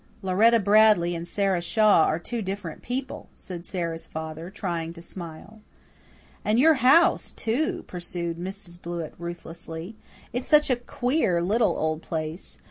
"Lauretta Bradley and Sara Shaw are two different people," said Sara's father, trying to smile. "And your house, too," pursued Mrs. Blewett ruthlessly. "It's such a queer, little, old place.